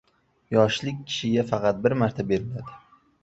Yoshlik kishiga faqat bir marta beriladi